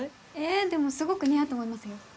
えでもすごく似合うと思いますよ。